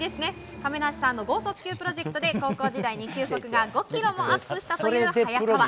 亀梨さんの豪速球プロジェクトで高校時代に球速が５キロもアップしたという早川。